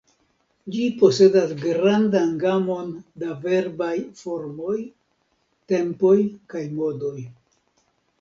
Ĝi posedas grandan gamon da verbaj formoj, tempoj kaj modoj.